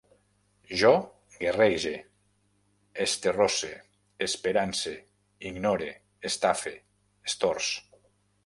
Jo guerrege, esterrosse, esperance, ignore, estafe, estorç